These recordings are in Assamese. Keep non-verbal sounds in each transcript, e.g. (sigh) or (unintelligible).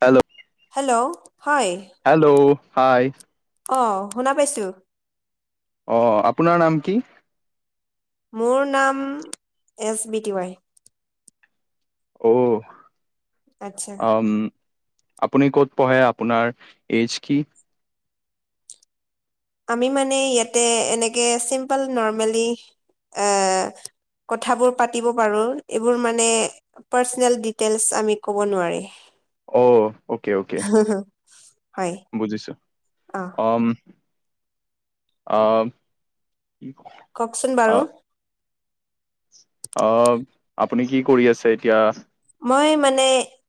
হেল্ল' হেল্ল' হয় হেল্ল' হ অ শুনা পাইছো অ আপোনাৰ নাম কি মোৰ নাম এছ বি টি ৱাই অ আচ্ছা উ আপুনি ক'ত পঢ়ে আপোনাৰ এইজ কি আমি মানে ইয়াতে এনেকে চিম্পল নৰৰ্মেলি এ কথাবোৰ পাতিব পাৰো এইবোৰ মানে পাৰ্চনেল ডিটেইলছ আমি ক'ব নোৱাৰি অ অ'কে অ'কে হয় বুজিছো অ অ কি ক (unintelligible) কওকচোন বাৰু অ আপুনি কি কৰি আছে এতিয়া মই মানে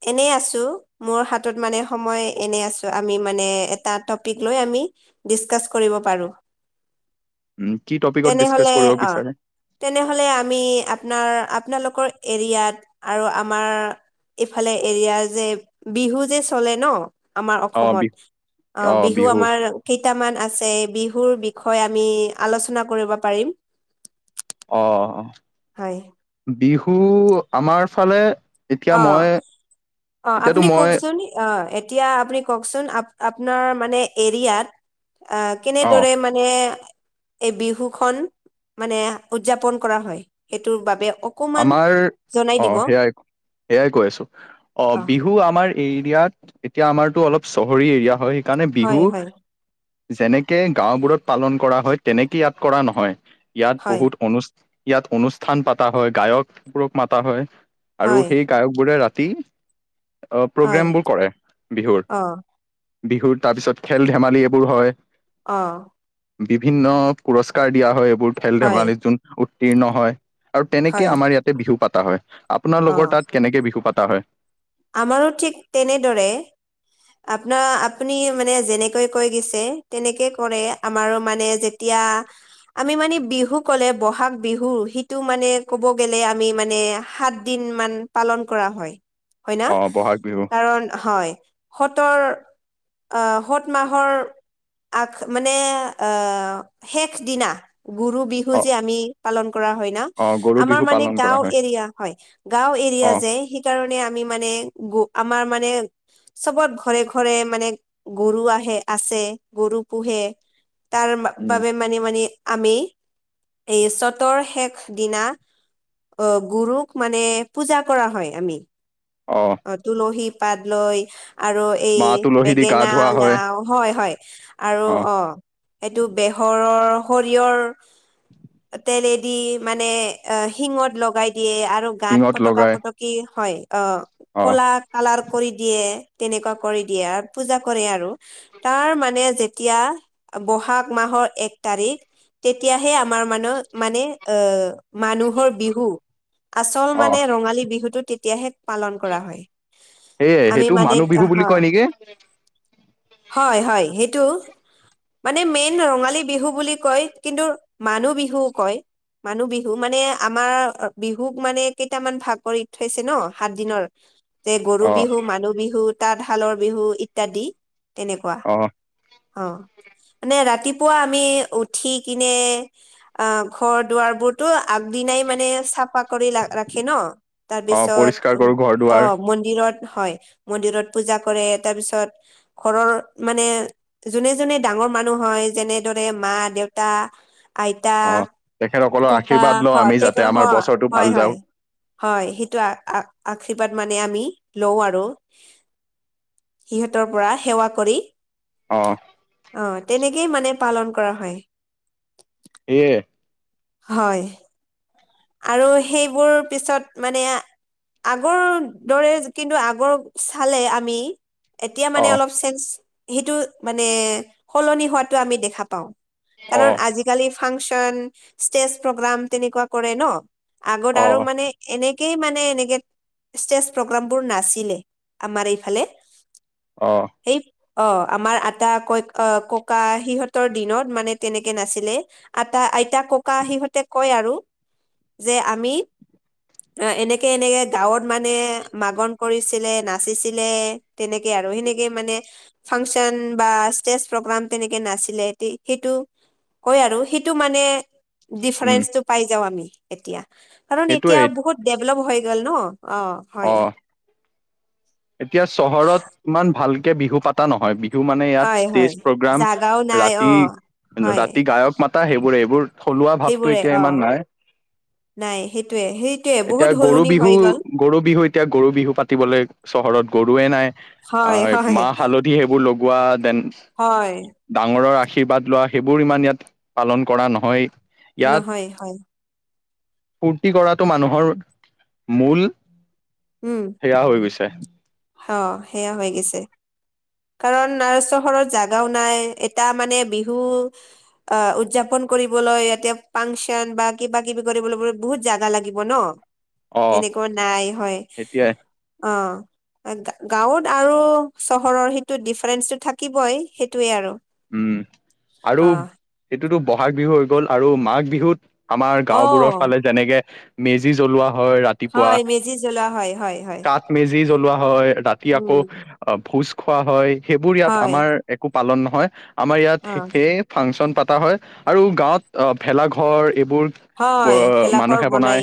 এনেই আছো মোৰ হাতত মানে সময় এনে আছো আমি মানে এটা টপিক লৈ আমি ডিচকাচ কৰিব পাৰো উ কি টপিকত তেনেহলে ডিচকাচ কৰিব অ বিচাৰে তেনেহলে আমি আপোনাৰ আপোনালোকৰ এৰিয়াত আৰু আ আমাৰ ইফালে এৰিয়াৰ যে বিহু যে চলে ন আমাৰ অ বি অসমত অ বিহু আমাৰ কেইটামান আছে বিহুৰ বিষয়ে আমি আলোচনা কৰিব পাৰিম অ অ হয়। বিহু আমাৰ ফালে এতিয়া অ মই অ আপুনি এতিয়াতো মই কওকচোন অ' এতিয়া আপুনি কওকচোন আ আপোনাৰ মানে এৰিয়াত অ কেনেদৰে মানে এই বিহু খন মানে উদযাপন কৰা হয় সেইটোৰ বাবে অকমান আমাৰ জনাই দিব অ' সেয়াই সেয়াই কৈ আছো অ' বিহু আমাৰ এৰিয়াত এতিয়া আমাৰতো অলপ চহৰী এৰিয়া হয়, সেইকাৰণে হয় বিহু হয় যেনেকে গাওঁবোৰত পালন কৰা হয় তেনেকে ইয়াত কৰা নহয়। ইয়াত হয় বহুত অনুষ্ঠান ইয়াত অনুষ্ঠান পাতা হয় গায়কবোৰক মাতা হয়, আৰু হয় সেই গায়কবোৰে ৰাতি হয় প্ৰগ্ৰেমবোৰ কৰে বিহুত। অ বিহুৰ তাৰ পিছত খেল ধেমালি এইবোৰ হয়। অ' বিভিন্ন পুৰস্কাৰ দিয়া হয় এইবোৰ খেল হয় ধেমালিত যোন উত্তীৰ্ণ হয় আৰু ততিয়া হয় আমাৰ ইয়াতে বিহু পাতা হয়। অ আপোনালোকৰ তাত কেনেকে বিহু পাতা হয়। আমাৰো ঠিক তেনেদৰে আপোনাৰ আপুনি মানে যেনেকৈ কৈ গৈছে তেনেকে কৰে আমাৰো মানে যে এতিয়া আমি মানে বিহু ক'লে বহাগ বিহু সিটো মানে ক'ব গ'লে আমি মানে সাত দিন মান পালন কৰা হয় হয় ন অ বহাগ বিহু কাৰণ হয় স'তৰ আহ স'ত মাহৰ আগ মানে আহ শেষ দিনা গুৰু বিহু বিহু অ যে আমি পালন কৰা হয় না অ গৰু আমাৰ বিহু মানে পালন কৰা গাঁও হয় এৰিয়া হয় গাঁও এৰিয়া অ যে সে সেইকাৰণে আমি মানে গ আমাৰ মানে চ'বৰ ঘৰে ঘৰে মানে গৰু আহে আছে গৰু পোহে। তাৰ উম বাবে মানে মানে আমি এই চ'তৰ শেষ দিনা অ গুৰুক মানে পূজা কৰা হয় আমি। অ' অ' তুলসী পাত লৈ আৰু এই মা তুলসী দি গা বেঙেনা ধোৱা হয় লাও হয়, হয়, আৰু অ'। এইটো বেহৰৰ শৰিয়ৰ তেলেদি মানে অ' শিঙত লগাই দিয়ে আৰু গাত শিঙত পতকা লগাই পটকি হয় অ'। অ ক'লা কালাৰ কৰি দিয়ে তেনেকুৱা কৰি দিয়ে আৰু পূজা কৰে আৰু। তাৰ মানে যেতিয়া বহাগ মাহৰ এক তাৰিখ তেতিয়াহে আমাৰ মান মানে আহ মানুহৰ বিহু আচল অ মানে ৰঙালী বিহুতটো তেতিয়াহে পালন কৰা হয় আমি মানে হা কি হয়, হয়, সেইটো মানে মেইন ৰঙালী বিহু বুলি কয় কিন্তু মানুহ বিহুও কয়। মানুহ বিহু মানে আমাৰ বিহুক মানে কেইটামান ভাগ কৰি থৈছে ন সাত দিনৰ যে গৰু অ বিহু মানুহ বিহু তাঁতশালৰ বিহু ইত্যাদি তেনেকুৱা। অ অ' মানে ৰাতিপুৱা আমি উঠি কিনে আ ঘৰ দুৱাৰবোৰ টো আগদিনাই মানে চাফা কৰি ৰাখে ন। অ তাৰপিছত পৰিষ্কাৰ উম, কৰো ঘৰ দুৱাৰ অ' ম দিনত হয়, মন্দিৰত পূজা কৰে, তাৰপিছত ঘৰৰ মানে। যোনে যোনে ডাঙৰ মানুহ হয়, যেনেদৰে মা দেউতা। আইতা অ তেখেতসকলৰ ককা আশীৰ্বাদ লওঁ আমি যাতে আমাৰ বছৰটো ভাল হয় (unintelligible) হয়। যাওক হয় সেইটো আ-আ-। আশীৰ্বাদ মানে আমি লও আৰু সিহঁতৰ পৰা সেৱা কৰি। অ। অ তেনেকেই মানে পালন কৰা হয়। এয় হয়। আৰু সেইবোৰ পিছত মানে আগৰ দৰে কিন্তু আগৰ চালে আমি এতিয়া অ মানে অলপ চেঞ্জ, সেইটো মানে সলনি হোৱাাতটো আমি দেখা পাওঁ। অ কাৰণ আজিকালি ফাংচন, ষ্টেজ প্ৰগ্ৰাম, তেনেকুৱা কৰে ন। আগত অ আৰু মানে এনেকেই মানে এনেকে ষ্টেজ প্ৰগ্ৰামবোৰ নাচে আমাৰ এইফালে। অ। (inaudible) অ আমাৰ আটা ক অ ককা সিহঁতৰ দিনত মানে তেনেকে নাছিলে। আতা আইতা ককা সিহঁতে কয় আৰু যে আমি এনেকে এনেকে গাঁওত মানে মাগন কৰিছিলে, ন নচিছিলে তেনেকে আৰু সেনেকে মানে ফাংচন বা ষ্টেজ প্ৰগ্ৰাম তেনেকে নাছিলে এ সেইটো আৰু সেইটো মানে উম ডিফাৰেন্ঞ্চটো পাই যাওঁ আমি এতিয়া, কাৰণ এতিয়া সেইটোৱে বহুত ডেভলপ হৈ গল ন অ। অ। হয় এতিয়া চহৰত ইমান ভালকে বিহু পাতা নহয়। বি বিহু মানে ইয়াত হয় হয় ষ্টেজ প্ৰগ্ৰাম জাগাও নাই অ ৰাতি হয় ৰাতি গায়ক মাতা সেইবোৰে এইবোৰ থলুৱা ভাৱটো সেইবোৰে এতিয়া অ ইমান নাই। নাই সেইটোৱে সেইটোৱে এতিয়া বহুত গৰু সলনি বিহু হৈ গ'ল গৰু বিহু এতিয়া গৰু বিহু পাতিবলৈ চহৰত গৰুৱে নাই। হয় আহ হয় মাহ হালধি দি সেইবোৰ লগোৱা দেন হয়। ডাঙৰৰ আশীৰ্বাদ লোৱা সেইবোৰ ইমান ইয়াত পালন কৰা নহয়। ইয়াত নহয় হয়। ফূৰ্তি কৰাটো মানুহৰ মূল উম। সেয়া হৈ গৈছে। অ সেয়া হৈ গৈছে। কাৰণ না চহৰত জাগাও নাই, এটা মানে বিহু অ উদযাপন কৰিবলৈ, ইয়াতে ফাংচন বা কিবা কিবি কৰিবলৈ বহুত জাগা লাগিব ন। অ তেনেকুৱা নাই হয় এতিয়াই অ। গাঁৱত আৰু চহৰৰ সেইটো ডিফাৰেন্ঞ্চটো থাকিবই সেইটোৱে আৰু। উম' আৰু অ সটোতো বহাগ বিহু হৈ গ'ল আৰু মাঘ বিহুত আমাৰ অ গাঁওবোৰৰ ফালে যেনেকে মেজি জ্বলোৱা হয়, ৰাতি হয় মেজি জলা হয়' হয' হয়'। মেজি জ্বলোৱা হয়, ৰাতি আকৌ উম ভোজ খোৱা হয়, সেইবোৰ ইয়াত হয় আমাৰ একো পালন নহয়, আমাৰ অ ইয়াত সেই ফাংচন পতা হয় আৰু গাঁৱত অ ভেলা ঘৰ এইবোৰ হয় ব ভেলাঘৰ মানুহে বনাই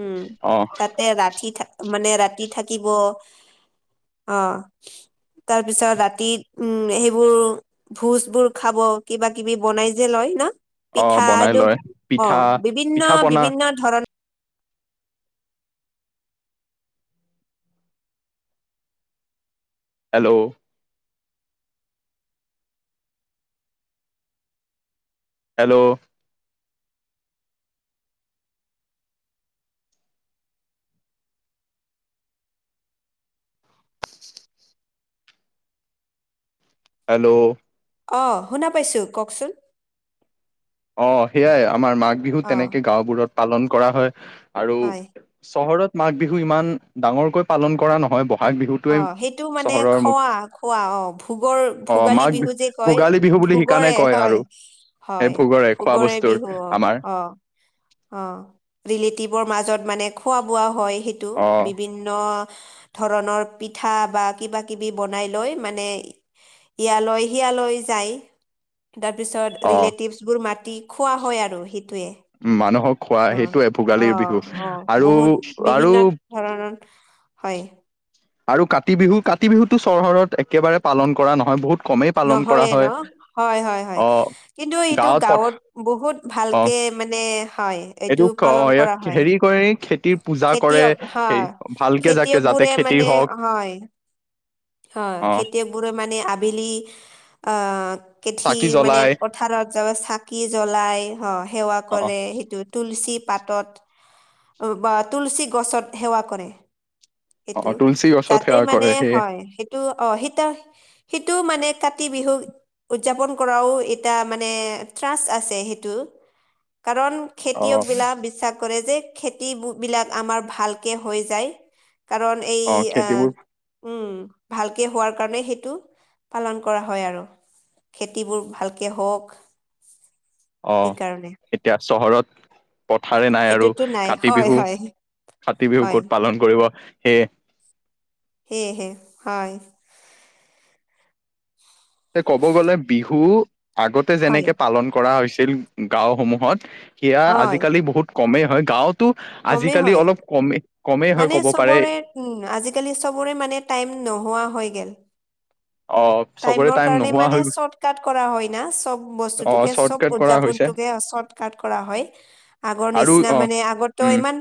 উম অ। তাতে ৰাতি থ মানে ৰাতি থাকিব অ। তাৰ পিছত ৰাতি উম সেইবোৰ ভোজবোৰ খাব কিবা কিবি বনাই যে লয় ন! অ পিঠা বনাই এইটো লয়। পিঠা অ' বিভিন্ন পিঠা পনা বিভিন্ন ধৰণৰ হেল্ল' হেল্ল' হেল্ল' অ', শুনা পাইছোঁ কওকচোন অ' সেইয়াই আমাৰ মাঘ বিহু অ তেনেকে গাওবোৰত পালন কৰা হয় আৰু হয় চহৰত মাঘ বিহু ইমান ডাঙৰকৈ পালন কৰা নহয় বহাগ বিহুত অ' সেইটো মানে খোৱা খোৱা, অ', ভোগৰ অ ভোগালী মাঘ বিহু যে কয়। ভোগালী বিহু বুলি সেইকাৰণে ভোগৰে কয় আৰু হয় সেই হয় খোৱা ভোগৰে বস্তুৰ বিহু অ', আমাৰ অ' অ' ৰিলেটিভৰ মাজত মানে খোৱা বোৱা হয় সেইটো অ বিভিন্ন ধৰণৰ পিঠা বা কিবা কিবি বনাই লৈ মানে ইয়ালৈ শিয়ালৈ যায়। তাৰ পিছত অ ৰিলেটিভছ বোৰ মাতি খোৱা হয় আৰু সেইটোৱে মানুহক খোৱা সেইটোয়ে ভোগালীৰ বিহু অ আৰু বহুত আৰু বিভিন্ন ধৰণৰ হয়। আৰু কাতি বিহু কাতি বিহুতটো চহৰত একেবাৰে পালন কৰা নহয় বহুত কমেই পালন কৰা নহয়ে ন, হয় হয়, হয়, হয়, অ কিন্তু এইটো গাঁৱত বহুত অ ভালকে মানে হয়। এইটো পালন কৰা ইয়াক হয় হেৰি কৰে খেতিৰ পূজা কৰে খেতিয়ক হে হয় ভালকে জাকে খেতিয়ক যাতে বোৰে খেতি মানে হওক হয় হয় অ খেতিয়ক বোৰে মানে আবেলি অ' কেঠি চাকি মানে জ্বলাই পথাৰত যাব চাকি জ্বলাই অ' সেৱা অ কৰে সেইটোত তুলসী পাতত বা তুলসী গছত সেৱা কৰে। অ সেইটো তুলসী গছত যাতে সেৱা মানে কৰে সেই হয় সেইটো অ' সেইটো সেইটোও মানে কাতি বিহু উদযাপন কৰাও এটা মানে ট্ৰাষ্ট আছে সেইটো কাৰণ অ খেতিয়ক বিলাক বিশ্বাস কৰে যে খেতি বিলাক আমাৰ ভালকে হৈ যায়। কাৰণ এই অ আহ খেতিবোৰ উম', ভালকে হোৱাৰ কাৰণে সেইটো পালন কৰা হয় আৰু খেতিবোৰ ভালকৈ হওক। আহ সেইকাৰণে এতিয়া চহৰত পথাৰে নাই আৰু সেইটোতো নাই কাতি হয় বিহু হয় কাতি বিহু হয় ক'ত পালন কৰিব সেয়ে হে, হে, হয় ক'ব গ'লে বিহু আগতে হয় যেনেকে পালন কৰা হৈছিল গাওসমূহত সেয়া, হয় আজিকালি বহুত কমেই হয় গাঁৱত তটো কমেই আজিকালি হয় অলপ কম কমেই হয় মানে ক'ব পাৰে চবৰে আজিকালি চবৰে মানে টাইম নোহোৱা হৈ গ'ল অ', চবৰে টাইমৰ টাইম কাৰণে নোহোৱা মানে হৈ চৰ্ট কট কৰা হয় না চব অ বস্তুতোকে চৰ্ট চব কাট কৰা উদযাপন হৈছে চৰ্ট কট কৰা হয় আগৰ আৰু নিচিনা অ মানে আগতো উম ইমান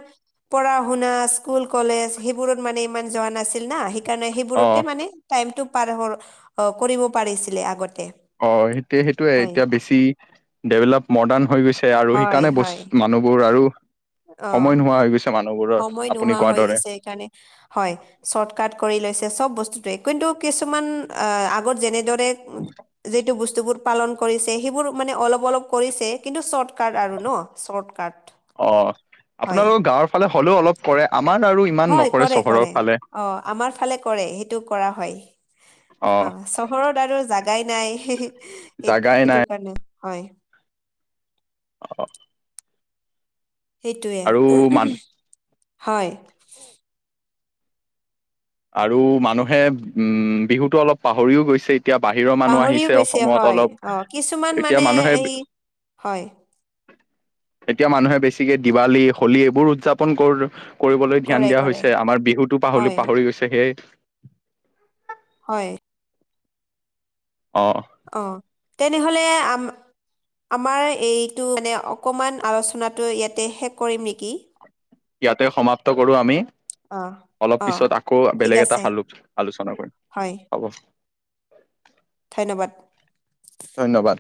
পঢ়া শুনা স্কুল কলেজ সেইবোৰত মানে, ইমান যোৱা নাছিল না সেইকাৰণে অ সেইবোৰতে মানে টাইমটো পাৰ হ কৰিব পাৰিছিলে আগতে অ ', সেইটো সেইটোয়ে হয় এতিয়া বেছি ডেভলপ মডাৰ্ণ হৈ গৈছে আৰু হয় সেইকাৰণে হয় মানুহবোৰ আৰু সময় অ নোহোৱা হৈ গৈছে মানুহবোৰ সময় নোহোৱা হৈ গৈছে সেইকাৰণে হয় চৰ্ট কট কৰি লৈছে চব বস্তুটোৱে, কিন্তু কিছুমান আগত যেনেদ য বস্তু পালন কৰিছে সেইবোৰ মানে, অলপ অলপ কৰিছে কিন্তু চৰ্টকাট আৰু ন চৰ্টকাট অ', পোনালোকৰ গাঁৱৰ ফালে হ'লেও অলপ কৰে, আমাৰ আৰু ইমান হয়, নকৰে কৰে, চহৰৰ কৰে, ফালে অ ', আমাৰ ফালে কৰে সেইটো কৰা হয় অ', চহৰত আৰু জাগাই নাই সেই জাগাই নাই সেইটো কাৰণে হয় অহ। মান সেইটোৱে, হয়। আৰু মানুহে উম, বিহুতো অলপ পাহৰিও গৈছে। এতিয়া বাহিৰৰ মানুহ পাহৰিও আহিছে গৈছে অসমত হয় অলপ, অ কিছুমান এতিয়া মানে মানুহে এই হয় এতিয়া মানুহে বেছিকে দিৱালী, হোলী এইবোৰ উদযাপন কৰে। কৰিবলৈ ধ্যান কৰে দিয়া কৰে হৈছে, আমাৰ বিহুতো হয় পাহলি-পাহৰি গৈছে সেইয়া। হয়। অহ। অহ, তেনেহ'লে আম আমাৰ এইটো মানে অকণমান আলোচনাটো ইয়াতে শেষ কৰিম নেকি। ইয়াতে সমাপ্ত কৰোঁ আমি। অহ অ অলপপিছত আকৌ ঠিক বেলেগ এটা আছে আলো-আলোচনা কৰি হয় হ'ব। (unintelligible) ধন্যবাদ। ধন্যবাদ।